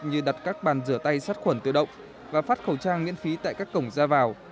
như đặt các bàn rửa tay sát khuẩn tự động và phát khẩu trang miễn phí tại các cổng ra vào